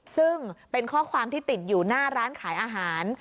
ซึ่งเป็นข้อความที่ติดอยู่หน้าร้านขายอาหาร